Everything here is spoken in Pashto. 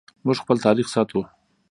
موږ خپل تاریخ ساتو